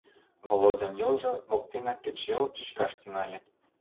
Володян йолжо воктенак кечыйол чӱчкаш тӱҥале.